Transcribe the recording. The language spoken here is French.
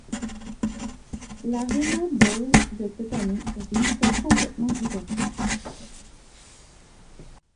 L'ArenaBowl de cette année est une histoire complètement différente.